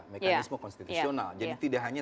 mekanisme konstitusional jadi tidak hanya